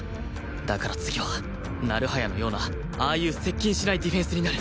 だから次は成早のようなああいう接近しないディフェンスになる